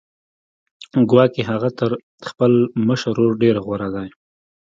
ګواکې هغه تر خپل مشر ورور ډېر غوره دی